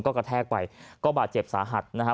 ก็กระแทกไปก็บาดเจ็บสาหัสนะฮะ